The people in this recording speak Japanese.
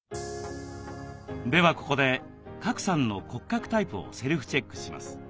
ではここで賀来さんの骨格タイプをセルフチェックします。